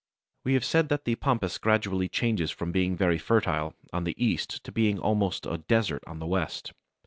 We have said that the Pampas gradually changes from being very fertile on the east to being almost a desert on the west.